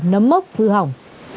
nấm mốc thư hỏng